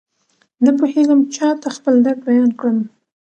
نپوهېږم چاته خپل درد بيان کړم.